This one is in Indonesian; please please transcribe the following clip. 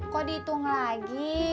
kok dihitung lagi